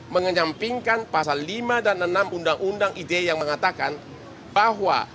mengenyampingkan pasal lima dan enam undang undang ite yang mengatakan bahwa